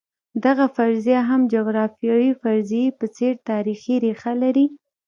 دغه فرضیه هم د جغرافیوي فرضیې په څېر تاریخي ریښه لري.